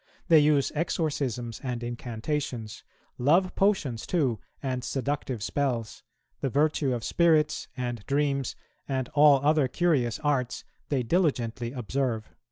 They use exorcisms and incantations; love potions too, and seductive spells; the virtue of spirits, and dreams, and all other curious arts, they diligently observe."